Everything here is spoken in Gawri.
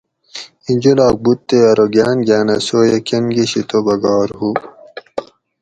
اِیں جولاگ بُوت تے ارو گاۤن گاۤنہ سویہ کۤن گۤشی توبہ گار ہُو